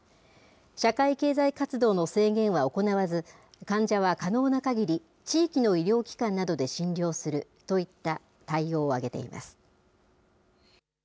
社会経済活動の制限は行わず、患者は可能なかぎり地域の医療機関などで診療するといった対応を挙げています。